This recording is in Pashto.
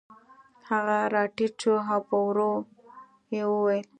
هغه راټیټ شو او په ورو یې وویل